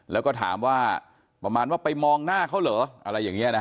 แล้วก็ถามประมาณว่าไปมองหน้าเค้าเหรอ